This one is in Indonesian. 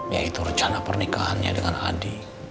yaitu rencana pernikahannya dengan adi